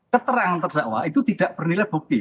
keterangan terdakwa itu tidak bernilai bukti